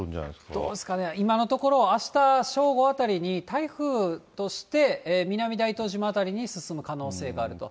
どうですかね、今のところ、あした正午あたりに台風として南大東島辺りに進む可能性があると。